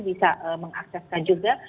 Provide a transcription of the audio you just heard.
bisa mengakseskan juga